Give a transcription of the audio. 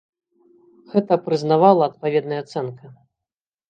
Гэта прызнавала адпаведная ацэнка.